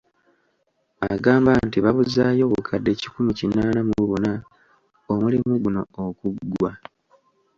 Agamba nti babuzaayo obukadde kikumi kinaana mu buna omulimu guno okuggwa.